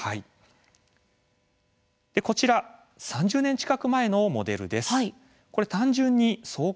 これは３０年近く前のモデルなんです。